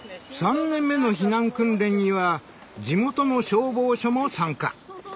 ３年目の避難訓練には地元の消防署も参加。